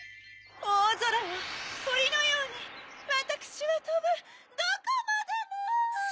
おおぞらをとりのようにわたくしはとぶどこまでも！